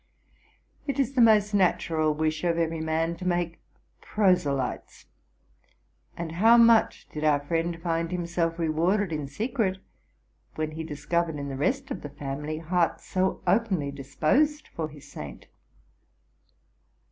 Tt is the most natural wish of every man to make prose lytes; and how much did our friend find himself rewarded in secret, when he discovered in the rest of the family hearts so openly disposed for his saint.